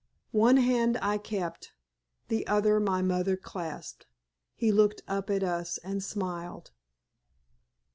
One hand I kept, the other my mother clasped. He looked up at us and smiled.